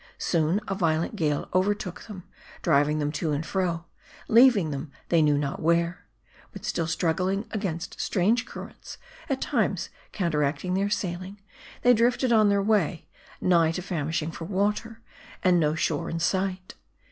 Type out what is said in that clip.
Soon, a violent gale overtook them ; driving them to and fro ; leaving them they knew not where. But still struggling against strange MARDI. 351 currents, at times counteracting their sailing 1 , they drifted on their way ; nigh to famishing for water ; and no shore in sight.